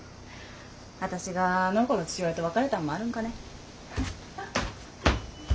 私があの子の父親と別れたんもあるんかね。